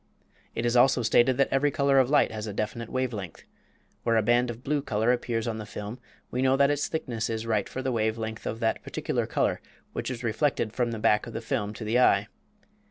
It is also stated that every color of light has a definite wave length. Where a band of blue color appears upon the film we know that its thickness is right for the wave length of that particular color which is reflected from the back of the film to the eye.